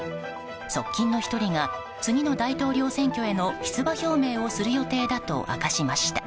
側近の１人が次の大統領選挙への出馬表明をする予定だと明かしました。